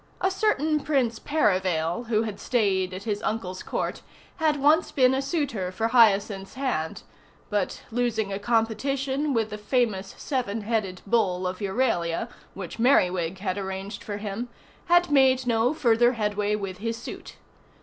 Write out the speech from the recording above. A certain Prince Perivale, who had stayed at his uncle's court, had once been a suitor for Hyacinth's hand; but losing a competition with the famous seven headed bull of Euralia, which Merriwig had arranged for him, had made no further headway with his suit.